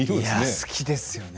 好きですよね。